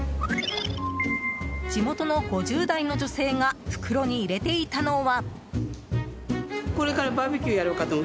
地元の５０代の女性が袋に入れていたのは。